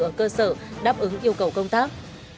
ở cơ sở đáp ứng yêu cầu công tác